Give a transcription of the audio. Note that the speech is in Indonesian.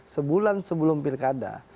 sebulan sebelum pilkada